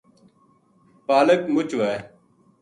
پالک مچ وھے“